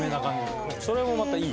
それもまたいい。